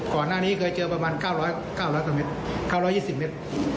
ก่อนหน้านี้เคยเจอประมาณ๙๐๐เม็ด๙๒๐เม็ด